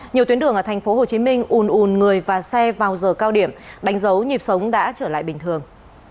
nhiều tuyến đường ở tp hcm un ùn người và xe vào giờ cao điểm đánh dấu nhịp sống đã trở lại bình thường